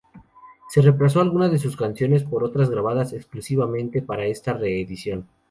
Se reemplazó algunas de sus canciones por otras grabadas exclusivamente para esta reedición.